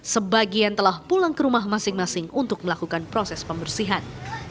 sebagian telah pulang ke rumah masing masing untuk melakukan proses pembersihan